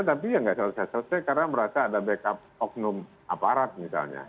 tapi ya nggak selesai selesai karena merasa ada backup oknum aparat misalnya